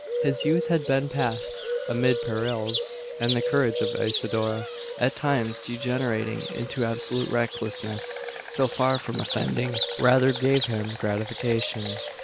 His youth had been passed amid perils; and the courage of Isidora at times degenerating into absolute recklessness so far from offending, rather gave him gratification.